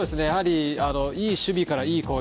やはりいい守備からいい攻撃。